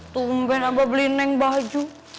tumpen abah beliin neng baju